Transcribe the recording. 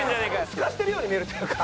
スカしているように見えるというか。